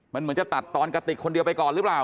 มันเหมือนจะตัดตอนกระติกคนเดียวไปก่อนหรือเปล่า